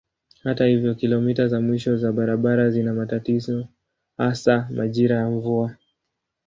Hata hivyo kilomita za mwisho za barabara zina matatizo hasa majira ya mvua.